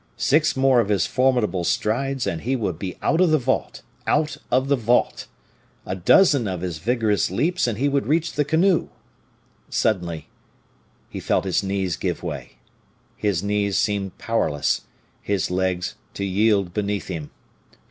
Six more of his formidable strides, and he would be out of the vault; out of the vault! a dozen of his vigorous leaps and he would reach the canoe. Suddenly he felt his knees give way; his knees seemed powerless, his legs to yield beneath him.